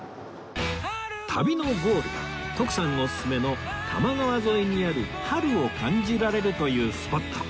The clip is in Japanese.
旅のゴールは徳さんおすすめの多摩川沿いにある春を感じられるというスポット